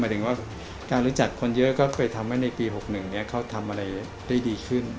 ถึงว่าการรู้จักคนเยอะก็เคยทำให้ในปี๖๑เขาทำอะไรได้ดีขึ้น